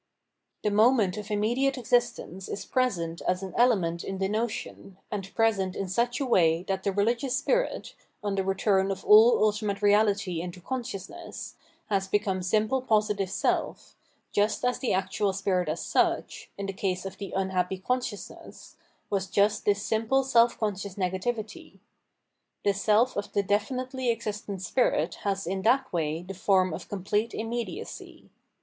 The moment of immediate existence is present as an element in the notion, and present in such a way that the religious spirit, on the return of all ultimate reality into consciousness, has become simple positive self, just as the actual spirit as such, in the case of the " unhappy consciousness," was just this simple self conscious nega tivity. The self of the definitely existent spirit has in that way the form of complete immediacy.